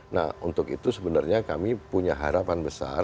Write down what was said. nah untuk itu sebenarnya kami punya harapan besar